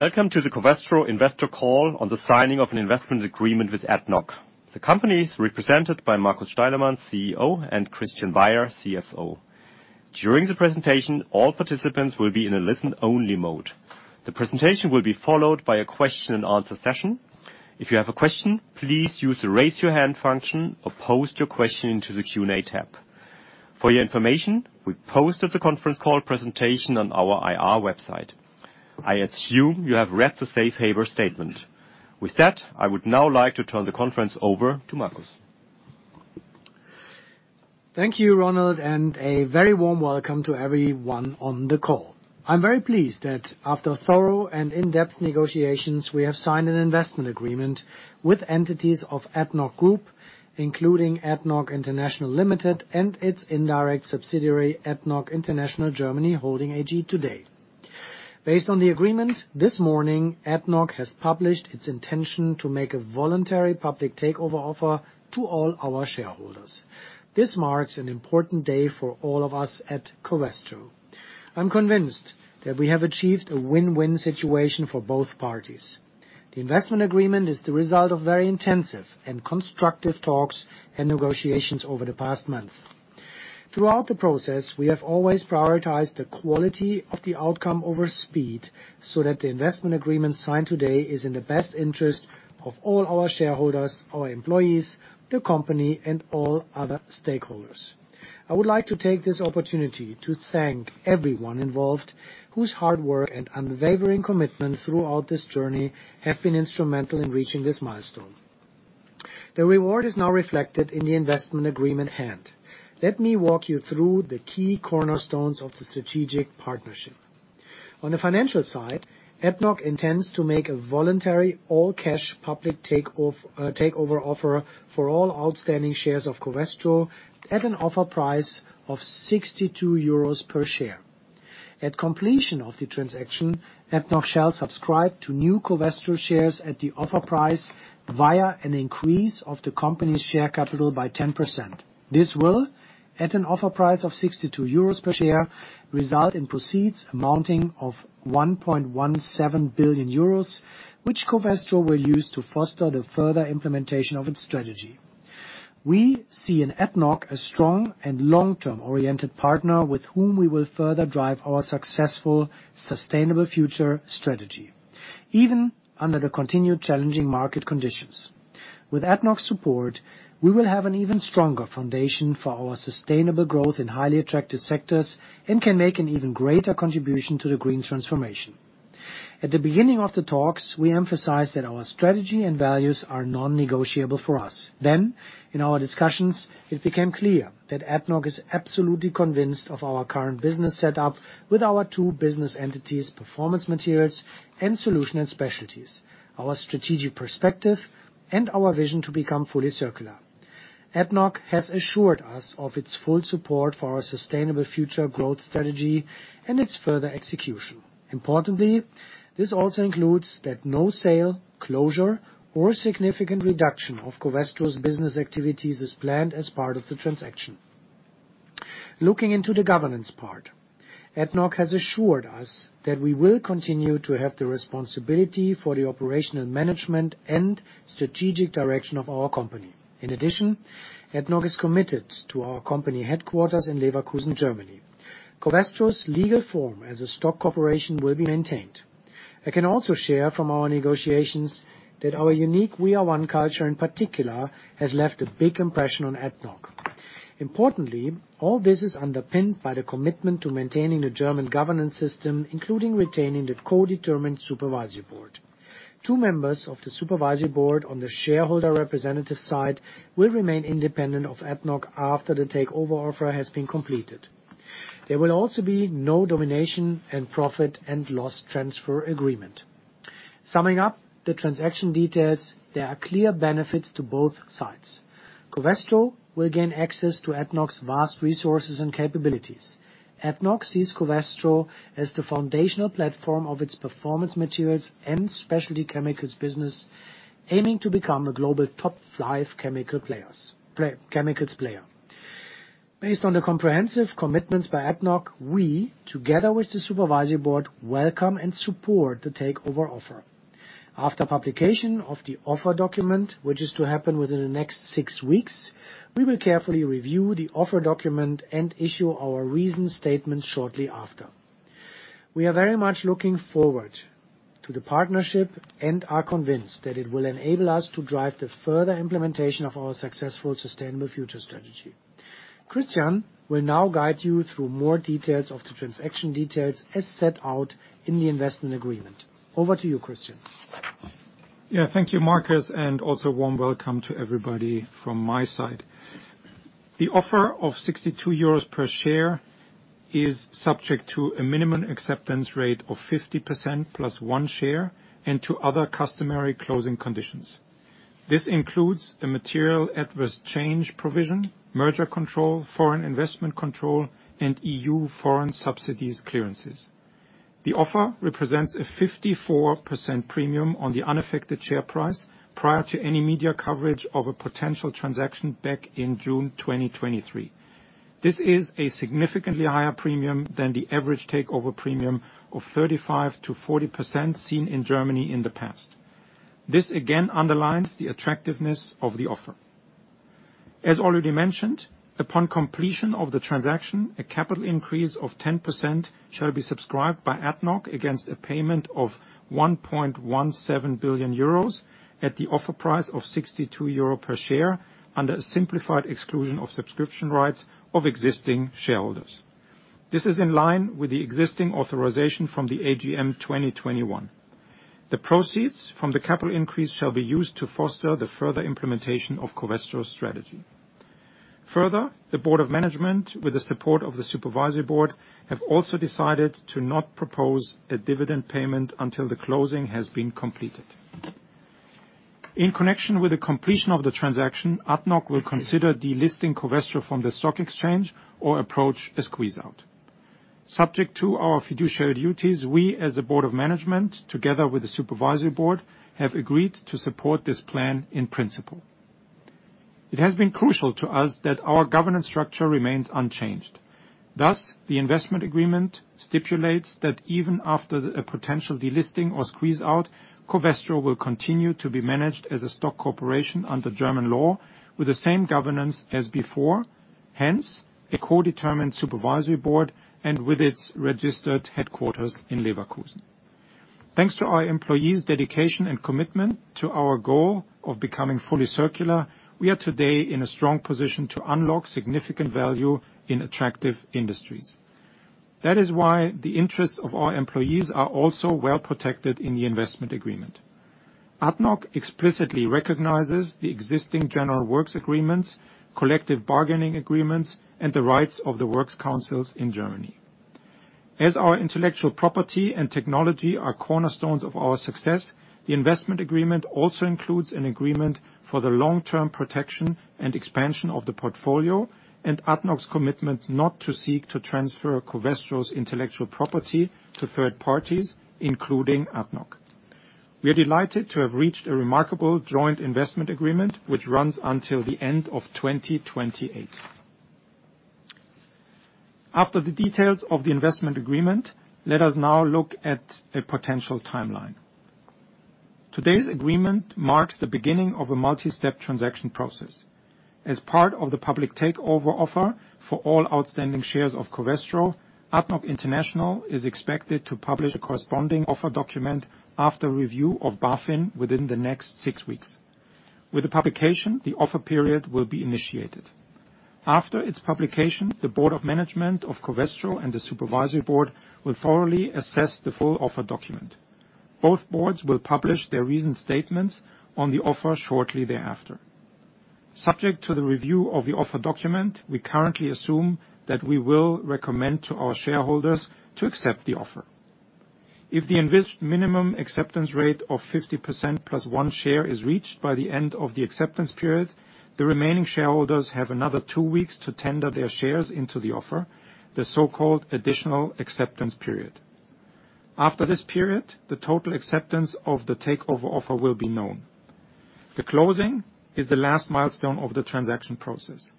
Welcome to the Covestro Investor Call on the signing of an investment agreement with ADNOC. The company is represented by Markus Steilemann, CEO, and Christian Weyer, CFO. During the presentation, all participants will be in a listen-only mode. The presentation will be followed by a question-and-answer session. If you have a question, please use the Raise Your Hand function or post your question into the Q&A tab. For your information, we posted the conference call presentation on our IR website. I assume you have read the safe harbor statement. With that, I would now like to turn the conference over to Markus. Thank you, Ronald, and a very warm welcome to everyone on the call. I'm very pleased that after thorough and in-depth negotiations, we have signed an investment agreement with entities of ADNOC Group, including ADNOC International Limited and its indirect subsidiary, ADNOC International Germany Holding AG today. Based on the agreement, this morning, ADNOC has published its intention to make a voluntary public takeover offer to all our shareholders. This marks an important day for all of us at Covestro. I'm convinced that we have achieved a win-win situation for both parties. The investment agreement is the result of very intensive and constructive talks and negotiations over the past month. Throughout the process, we have always prioritized the quality of the outcome over speed, so that the investment agreement signed today is in the best interest of all our shareholders, our employees, the company, and all other stakeholders. I would like to take this opportunity to thank everyone involved, whose hard work and unwavering commitment throughout this journey have been instrumental in reaching this milestone. The reward is now reflected in the investment agreement at hand. Let me walk you through the key cornerstones of the strategic partnership. On the financial side, ADNOC intends to make a voluntary all-cash public takeover offer for all outstanding shares of Covestro at an offer price of 62 euros per share. At completion of the transaction, ADNOC shall subscribe to new Covestro shares at the offer price via an increase of the company's share capital by 10%. This will, at an offer price of 62 euros per share, result in proceeds amounting to 1.17 billion euros, which Covestro will use to foster the further implementation of its strategy. We see in ADNOC a strong and long-term oriented partner with whom we will further drive our successful, sustainable future strategy, even under the continued challenging market conditions. With ADNOC's support, we will have an even stronger foundation for our sustainable growth in highly attractive sectors and can make an even greater contribution to the green transformation. At the beginning of the talks, we emphasized that our strategy and values are non-negotiable for us. Then, in our discussions, it became clear that ADNOC is absolutely convinced of our current business setup with our two business entities, Performance Materials and Solutions and Specialties, our strategic perspective, and our vision to become fully circular. ADNOC has assured us of its full support for our sustainable future growth strategy and its further execution. Importantly, this also includes that no sale, closure, or significant reduction of Covestro's business activities is planned as part of the transaction. Looking into the governance part, ADNOC has assured us that we will continue to have the responsibility for the operational management and strategic direction of our company. In addition, ADNOC is committed to our company headquarters in Leverkusen, Germany. Covestro's legal form as a stock corporation will be maintained. I can also share from our negotiations that our unique We Are One culture, in particular, has left a big impression on ADNOC. Importantly, all this is underpinned by the commitment to maintaining the German governance system, including retaining the co-determined Supervisory Board. Two members of the Supervisory Board on the shareholder representative side will remain independent of ADNOC after the takeover offer has been completed. There will also be no Domination and Profit and Loss Transfer Agreement. Summing up the transaction details, there are clear benefits to both sides. Covestro will gain access to ADNOC's vast resources and capabilities. ADNOC sees Covestro as the foundational platform of its performance materials and specialty chemicals business, aiming to become a global top five chemicals player. Based on the comprehensive commitments by ADNOC, we, together with the Supervisory Board, welcome and support the takeover offer. After publication of the offer document, which is to happen within the next six weeks, we will carefully review the offer document and issue our reasoned statement shortly after. We are very much looking forward to the partnership and are convinced that it will enable us to drive the further implementation of our successful sustainable future strategy. Christian will now guide you through more details of the transaction details, as set out in the investment agreement. Over to you, Christian. Yeah. Thank you, Markus, and also warm welcome to everybody from my side. The offer of 62 euros per share is subject to a minimum acceptance rate of 50% plus one share, and to other customary closing conditions. This includes a material adverse change provision, merger control, foreign investment control, and E.U. foreign subsidies clearances. The offer represents a 54% premium on the unaffected share price prior to any media coverage of a potential transaction back in June 2023. This is a significantly higher premium than the average takeover premium of 35%-40% seen in Germany in the past. This again underlines the attractiveness of the offer. As already mentioned, upon completion of the transaction, a capital increase of 10% shall be subscribed by ADNOC against a payment of 1.17 billion euros at the offer price of 62 euro per share, under a simplified exclusion of subscription rights of existing shareholders. This is in line with the existing authorization from the AGM 2021. The proceeds from the capital increase shall be used to foster the further implementation of Covestro's strategy. Further, the board of management, with the support of the supervisory board, have also decided to not propose a dividend payment until the closing has been completed. In connection with the completion of the transaction, ADNOC will consider delisting Covestro from the stock exchange or approach a squeeze-out. Subject to our fiduciary duties, we, as the board of management, together with the supervisory board, have agreed to support this plan in principle. It has been crucial to us that our governance structure remains unchanged. Thus, the investment agreement stipulates that even after a potential delisting or squeeze-out, Covestro will continue to be managed as a stock corporation under German law, with the same governance as before, hence, a co-determined supervisory board and with its registered headquarters in Leverkusen. Thanks to our employees' dedication and commitment to our goal of becoming fully circular, we are today in a strong position to unlock significant value in attractive industries. That is why the interests of our employees are also well protected in the investment agreement. ADNOC explicitly recognizes the existing general works agreements, collective bargaining agreements, and the rights of the works councils in Germany. As our intellectual property and technology are cornerstones of our success, the investment agreement also includes an agreement for the long-term protection and expansion of the portfolio, and ADNOC's commitment not to seek to transfer Covestro's intellectual property to third parties, including ADNOC. We are delighted to have reached a remarkable joint investment agreement, which runs until the end of 2028. After the details of the investment agreement, let us now look at a potential timeline. Today's agreement marks the beginning of a multi-step transaction process. As part of the public takeover offer for all outstanding shares of Covestro, ADNOC International is expected to publish a corresponding offer document after review of BaFin within the next six weeks. With the publication, the offer period will be initiated. After its publication, the Board of Management of Covestro and the Supervisory Board will thoroughly assess the full offer document. Both boards will publish their reasoned statements on the offer shortly thereafter. Subject to the review of the offer document, we currently assume that we will recommend to our shareholders to accept the offer. If the envisaged minimum acceptance rate of 50% plus one share is reached by the end of the acceptance period, the remaining shareholders have another two weeks to tender their shares into the offer, the so-called additional acceptance period. After this period, the total acceptance of the takeover offer will be known. The closing is the last milestone of the transaction process.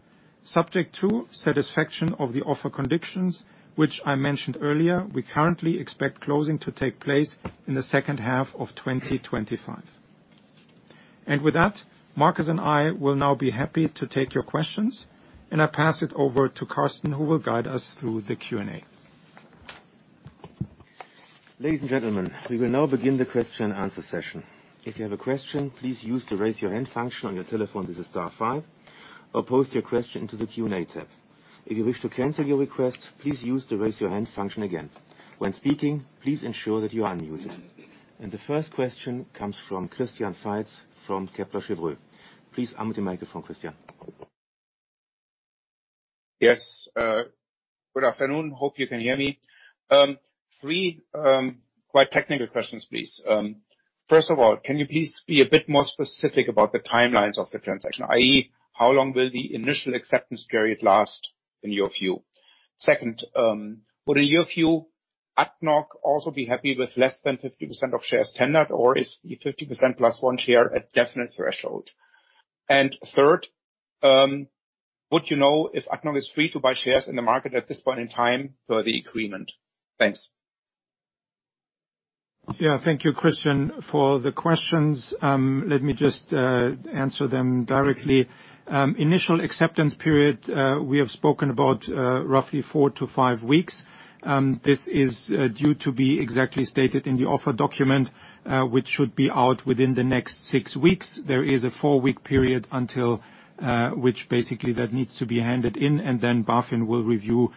Subject to satisfaction of the offer conditions, which I mentioned earlier, we currently expect closing to take place in the second half of 2025, and with that, Markus and I will now be happy to take your questions, and I pass it over to Carsten, who will guide us through the Q&A. Ladies and gentlemen, we will now begin the question and answer session. If you have a question, please use the Raise Your Hand function on your telephone, this is star five, or post your question to the Q&A tab. If you wish to cancel your request, please use the Raise Your Hand function again. When speaking, please ensure that you are unmuted, and the first question comes from Christian Seitz from Kepler Cheuvreux. Please unmute the microphone, Christian. Yes, good afternoon. Hope you can hear me. Three quite technical questions, please. First of all, can you please be a bit more specific about the timelines of the transaction, i.e., how long will the initial acceptance period last in your view? Second, would, in your view, ADNOC also be happy with less than 50% of shares tendered, or is the 50% plus one share a definite threshold? And third, would you know if ADNOC is free to buy shares in the market at this point in time per the agreement? Thanks. Yeah. Thank you, Christian, for the questions. Let me just answer them directly. Initial acceptance period, we have spoken about, roughly four to five weeks. This is due to be exactly stated in the offer document, which should be out within the next six weeks. There is a four-week period until which basically that needs to be handed in, and then BaFin will review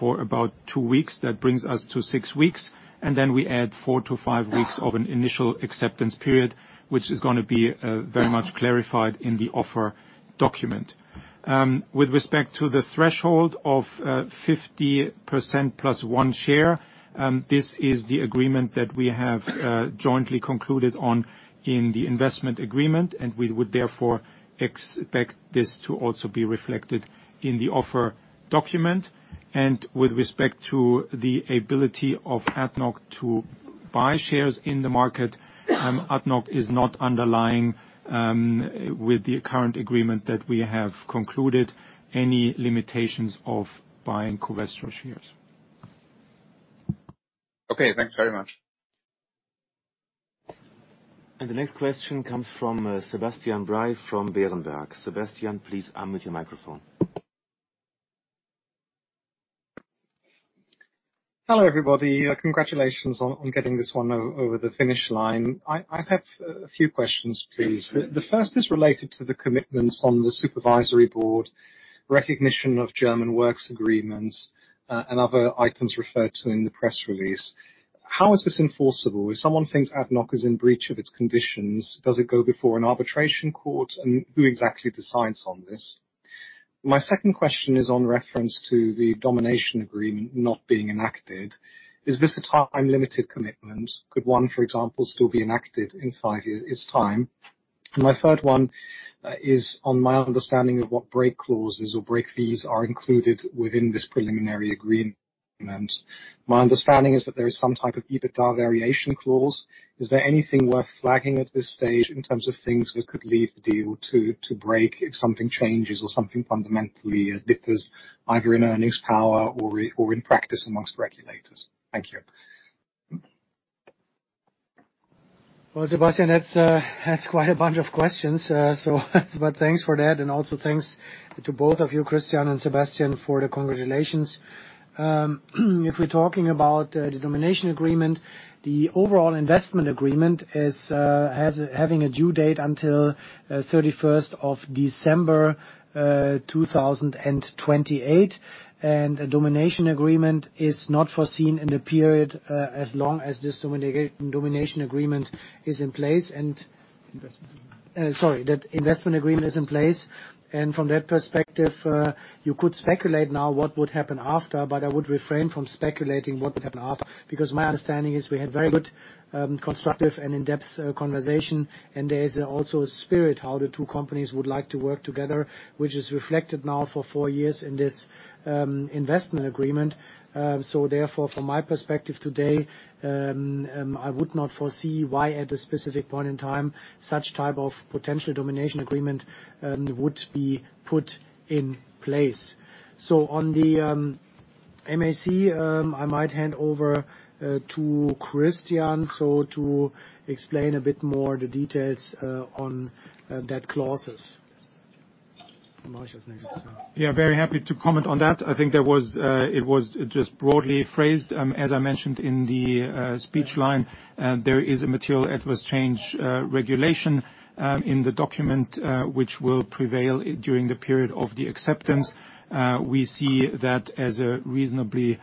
for about two weeks. That brings us to six weeks, and then we add four to five weeks of an initial acceptance period, which is gonna be very much clarified in the offer document. With respect to the threshold of 50% plus one share, this is the agreement that we have jointly concluded on in the investment agreement, and we would therefore expect this to also be reflected in the offer document. And with respect to the ability of ADNOC to buy shares in the market, ADNOC is not underlying with the current agreement that we have concluded, any limitations of buying Covestro shares. Okay, thanks very much. And the next question comes from Sebastian Bray from Berenberg. Sebastian, please unmute your microphone. Hello, everybody. Congratulations on getting this one over the finish line. I have a few questions, please. The first is related to the commitments on the supervisory board, recognition of German works agreements, and other items referred to in the press release. How is this enforceable? If someone thinks ADNOC is in breach of its conditions, does it go before an arbitration court? And who exactly decides on this? My second question is on reference to the domination agreement not being enacted. Is this a time-limited commitment? Could one, for example, still be enacted in five years' time? My third one is on my understanding of what break clauses or break fees are included within this preliminary agreement. My understanding is that there is some type of EBITDA variation clause. Is there anything worth flagging at this stage in terms of things that could lead the deal to break if something changes or something fundamentally differs, either in earnings power or in practice among regulators? Thank you. Sebastian, that's quite a bunch of questions, so but thanks for that. And also thanks to both of you, Christian and Sebastian, for the congratulations. If we're talking about the domination agreement, the overall investment agreement has a due date until 31 of December, 2028. And a domination agreement is not foreseen in the period as long as this domination agreement is in place. And- Investment agreement. Sorry, that investment agreement is in place. And from that perspective, you could speculate now what would happen after, but I would refrain from speculating what would happen after. Because my understanding is we had very good, constructive and in-depth, conversation, and there is also a spirit how the two companies would like to work together, which is reflected now for four years in this, investment agreement. So therefore, from my perspective today, I would not foresee why, at a specific point in time, such type of potential domination agreement, would be put in place. So on the, MAC, I might hand over, to Christian, so to explain a bit more the details, on, that clauses. Markus next, so. Yeah, very happy to comment on that. I think there was, it was just broadly phrased. As I mentioned in the, speech line, there is a material adverse change regulation in the document, which will prevail during the period of the acceptance. We see that as a reasonably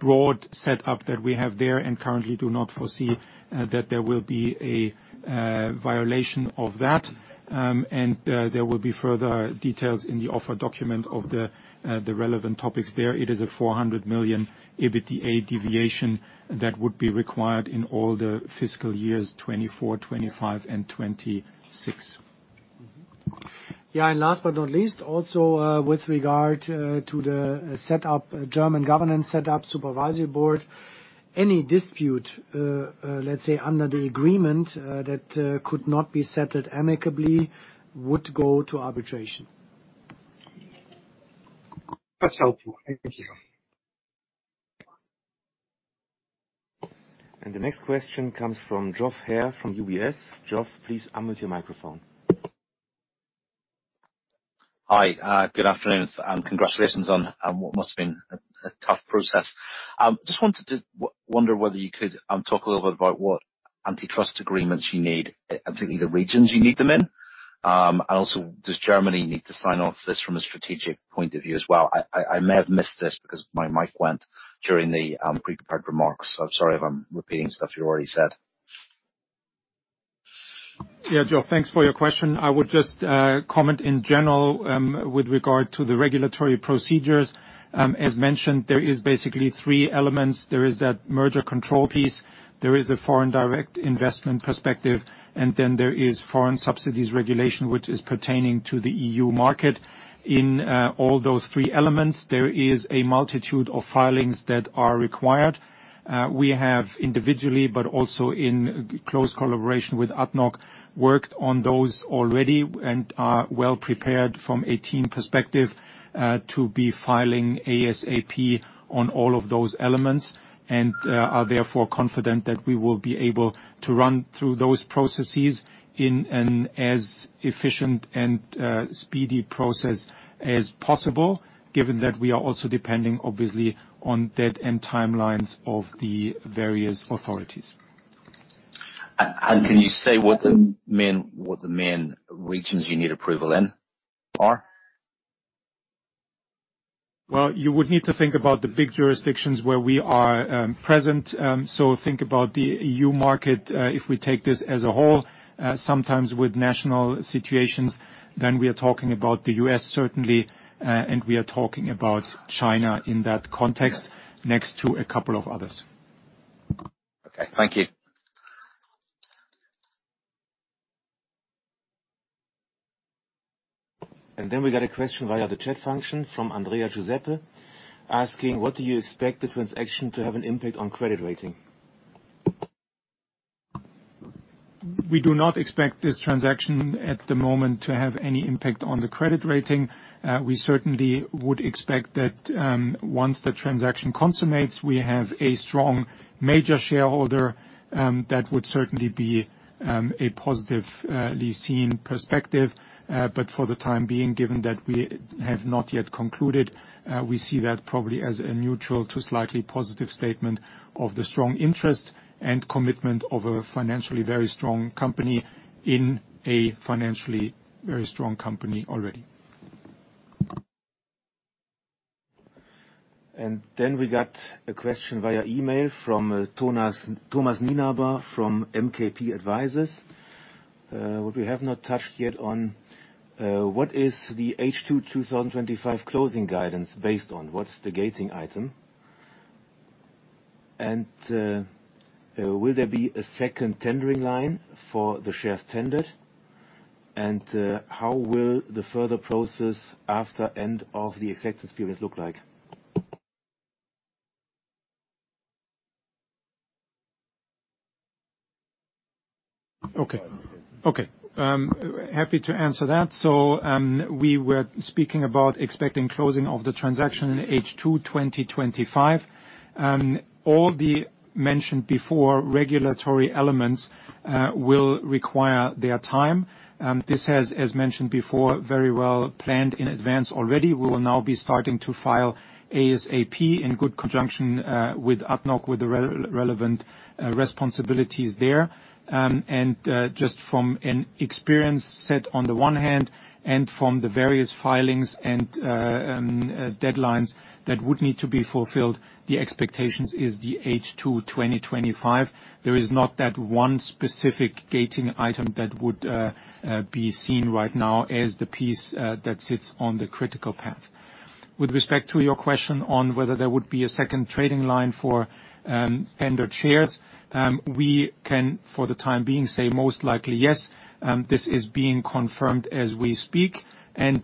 broad setup that we have there, and currently do not foresee that there will be a violation of that. And there will be further details in the offer document of the the relevant topics there. It is a 400 million EBITDA deviation that would be required in all the fiscal years 2024, 2025, and 2026. Yeah, and last but not least, also, with regard to the setup, German governance setup, supervisory board. Any dispute, let's say, under the agreement, that could not be settled amicably would go to arbitration. That's helpful. Thank you. The next question comes from Geoff Haire from UBS. Geoff, please unmute your microphone. Hi, good afternoon, and congratulations on what must have been a tough process. Just wanted to wonder whether you could talk a little bit about what antitrust agreements you need and the regions you need them in. And also, does Germany need to sign off this from a strategic point of view as well? I may have missed this because my mic went during the pre-prepared remarks. So I'm sorry if I'm repeating stuff you already said. Yeah, Geoff, thanks for your question. I would just comment in general with regard to the regulatory procedures. As mentioned, there is basically three elements. There is that merger control piece, there is the foreign direct investment perspective, and then there is foreign subsidies regulation, which is pertaining to the E.U. market. In all those three elements, there is a multitude of filings that are required. We have individually, but also in close collaboration with ADNOC, worked on those already, and are well-prepared from a team perspective to be filing ASAP on all of those elements and are therefore confident that we will be able to run through those processes in an as efficient and speedy process as possible, given that we are also depending, obviously, on deadline timelines of the various authorities. Can you say what the main regions you need approval in are? You would need to think about the big jurisdictions where we are present. So think about the E.U. market, if we take this as a whole, sometimes with national situations, then we are talking about the U.S., certainly, and we are talking about China in that context next to a couple of others. Okay. Thank you. And then we got a question via the chat function from Andrea Giuseppe, asking: "What do you expect the transaction to have an impact on credit rating? We do not expect this transaction at the moment to have any impact on the credit rating. We certainly would expect that once the transaction consummates, we have a strong major shareholder that would certainly be a positively seen perspective, but for the time being, given that we have not yet concluded, we see that probably as a neutral to slightly positive statement of the strong interest and commitment of a financially very strong company in a financially very strong company already. Then we got a question via email from Thomas Nienaber from MKP Advisors. What we have not touched yet on, what is the H2 2025 closing guidance based on? What is the gating item? And will there be a second tendering line for the shares tendered? And how will the further process after end of the acceptance period look like? Okay. Okay, happy to answer that. So, we were speaking about expecting closing of the transaction in H2 2025. All the mentioned before regulatory elements will require their time. This has, as mentioned before, very well planned in advance already. We will now be starting to file ASAP in good conjunction with ADNOC, with the relevant responsibilities there. Just from an experience set on the one hand, and from the various filings and deadlines that would need to be fulfilled, the expectations is the H2 2025. There is not that one specific gating item that would be seen right now as the piece that sits on the critical path. With respect to your question on whether there would be a second trading line for tender shares, we can, for the time being, say most likely yes. This is being confirmed as we speak, and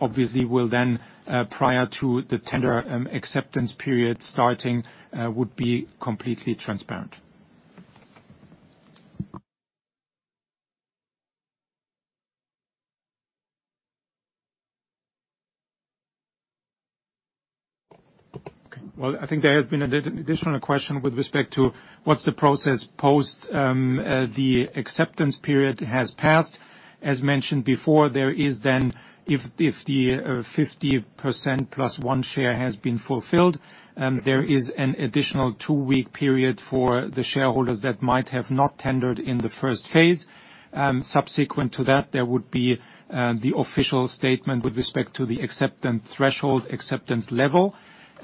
obviously will then prior to the tender acceptance period starting would be completely transparent. I think there has been an additional question with respect to what's the process post the acceptance period has passed. As mentioned before, there is then, if the 50% plus one share has been fulfilled, there is an additional two-week period for the shareholders that might have not tendered in the first phase. Subsequent to that, there would be the official statement with respect to the acceptance threshold, acceptance level,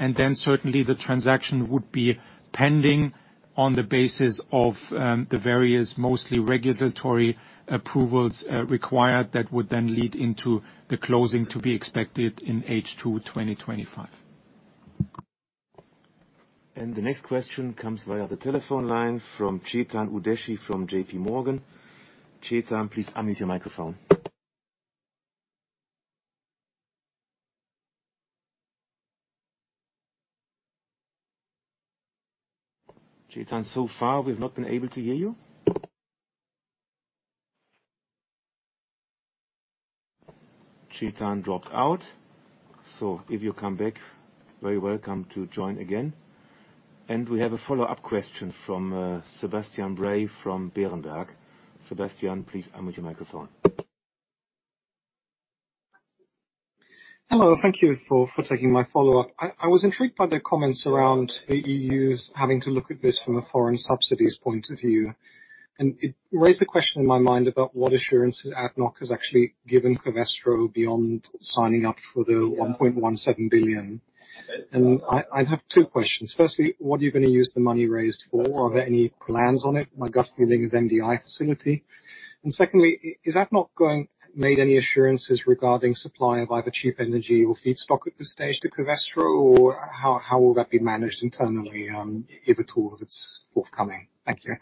and then certainly the transaction would be pending on the basis of the various, mostly regulatory approvals required, that would then lead into the closing to be expected in H2 2025. And the next question comes via the telephone line from Chetan Udeshi from J.P. Morgan. Chetan, please unmute your microphone. Chetan, so far, we've not been able to hear you. Chetan dropped out, so if you come back, very welcome to join again. And we have a follow-up question from Sebastian Bray from Berenberg. Sebastian, please unmute your microphone. Hello, thank you for taking my follow-up. I was intrigued by the comments around the E.U.'s having to look at this from a foreign subsidies point of view, and it raised a question in my mind about what assurance ADNOC has actually given Covestro beyond signing up for the 1.17 billion. And I have two questions. Firstly, what are you gonna use the money raised for? Are there any plans on it? My gut feeling is MDI facility. And secondly, has ADNOC made any assurances regarding supply of either cheap energy or feedstock at this stage to Covestro, or how will that be managed internally, if at all, it's forthcoming? Thank you.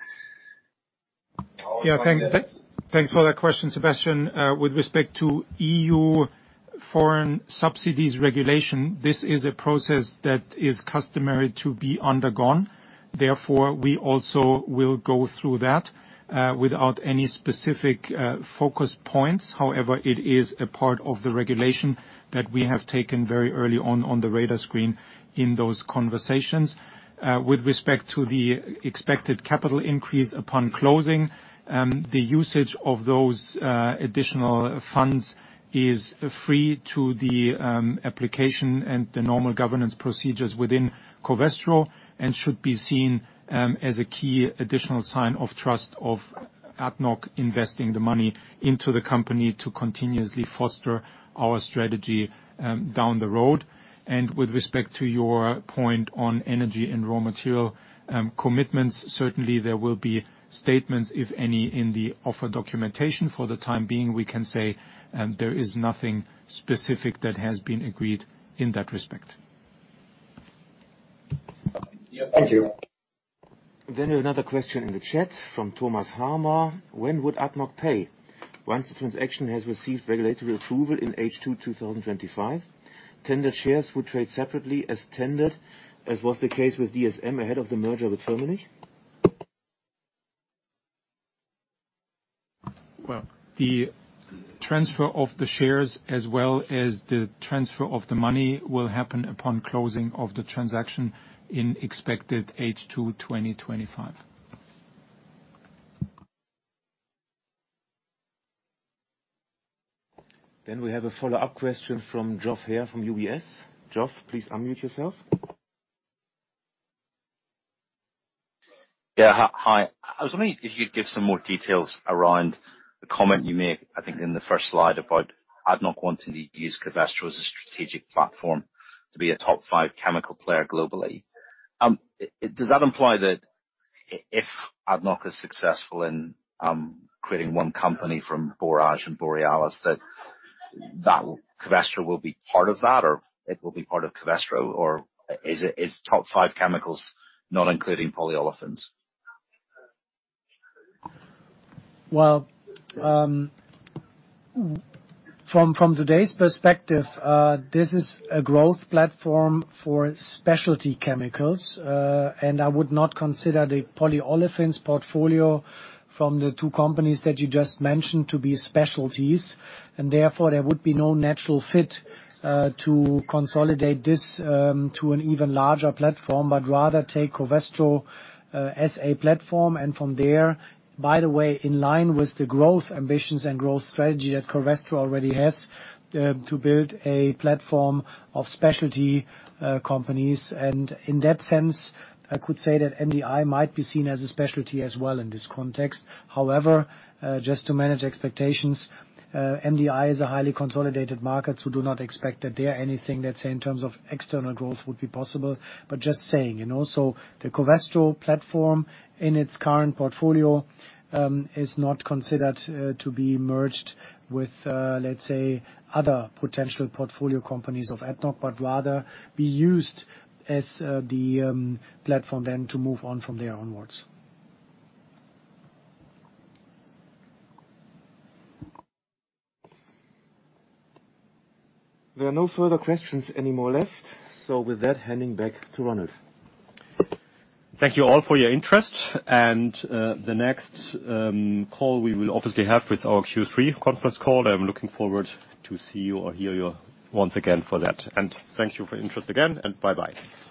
Yeah, thanks for that question, Sebastian. With respect to E.U. foreign subsidies regulation, this is a process that is customary to be undergone. Therefore, we also will go through that without any specific focus points. However, it is a part of the regulation that we have taken very early on, on the radar screen in those conversations. With respect to the expected capital increase upon closing, the usage of those additional funds is free to the application and the normal governance procedures within Covestro and should be seen as a key additional sign of trust of ADNOC investing the money into the company to continuously foster our strategy down the road. With respect to your point on energy and raw material commitments, certainly there will be statements, if any, in the offer documentation. For the time being, we can say, there is nothing specific that has been agreed in that respect. Thank you. Then we have another question in the chat from Thomas Harmer. When would ADNOC pay? Once the transaction has received regulatory approval in H2, 2025, tender shares would trade separately as tendered, as was the case with DSM ahead of the merger with Firmenich? The transfer of the shares as well as the transfer of the money will happen upon closing of the transaction in expected H2 2025. Then we have a follow-up question from Geoff Haire from UBS. Geoff, please unmute yourself. Yeah, hi, hi. I was wondering if you'd give some more details around the comment you made, I think, in the first slide about ADNOC wanting to use Covestro as a strategic platform to be a top five chemical player globally. Does that imply that if ADNOC is successful in creating one company from Borouge and Borealis, that Covestro will be part of that, or it will be part of Covestro, or is it, is top five chemicals not including polyolefins? Well, from today's perspective, this is a growth platform for specialty chemicals. And I would not consider the polyolefins portfolio from the two companies that you just mentioned to be specialties, and therefore, there would be no natural fit to consolidate this to an even larger platform, but rather take Covestro as a platform, and from there. By the way, in line with the growth ambitions and growth strategy that Covestro already has to build a platform of specialty companies. In that sense, I could say that MDI might be seen as a specialty as well in this context. However, just to manage expectations, MDI is a highly consolidated market, so do not expect that there anything, let's say, in terms of external growth would be possible. But just saying, and also, the Covestro platform in its current portfolio is not considered to be merged with, let's say, other potential portfolio companies of ADNOC, but rather be used as the platform then to move on from there onwards. There are no further questions anymore left. So with that, handing back to Ronald. Thank you all for your interest and the next call we will obviously have is our Q3 conference call. I'm looking forward to see you or hear you once again for that. And thank you for your interest again, and bye-bye.